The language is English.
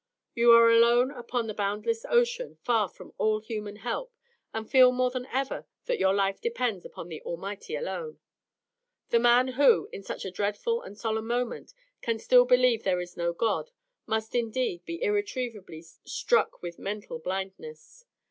You are alone upon the boundless ocean, far from all human help, and feel more than ever that your life depends upon the Almighty alone. The man who, in such a dreadful and solemn moment, can still believe there is no God, must indeed be irretrievably struck with mental blindness.